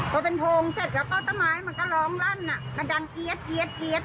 พอเป็นโพงเสร็จแล้วก็ต้นไม้มันก็ร้องลั่นมันดังเอี๊ยด